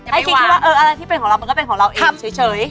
ให้คิดแค่ว่าอะไรที่เป็นของเรามันก็เป็นของเราเองเฉย